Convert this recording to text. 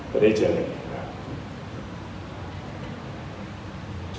จะได้เจอเวลานั้นนะครับ